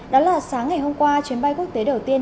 đó là sáng ngày hôm qua chuyến bay quốc tế đầu tiên